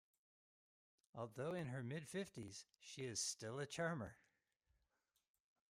Although in her mid-fifties, she is still a charmer.